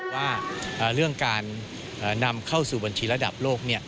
ว่าเรื่องการนำเข้าสู่บัญชีระดับโลก